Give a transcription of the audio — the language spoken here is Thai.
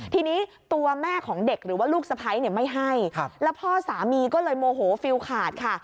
ทีนี้ตัวแม่ของเด็กหรือว่าลูกสะพ้ายไม่ให้แล้วพ่อสามีก็เลยโมโหฟิลขาดค่ะ